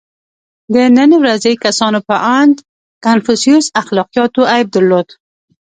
• د نن ورځې کسانو په اند کنفوسیوس اخلاقیاتو عیب درلود.